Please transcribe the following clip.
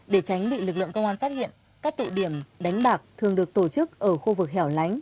để tránh bị lực lượng công an phát hiện các tụ điểm đánh bạc thường được tổ chức ở khu vực hẻo lánh